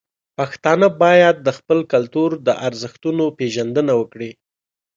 پښتانه باید د خپل کلتور د ارزښتونو پیژندنه وکړي.